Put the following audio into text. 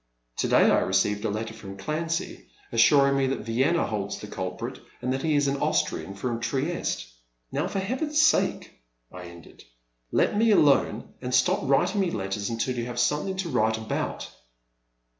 To day I received a letter from Clancy, assuring me that Vienna holds the culprit, and that he is an Aus trian from Trieste. Now for Heaven's sake,*' I ended, let me alone and stop writing me letters until you have something to write about.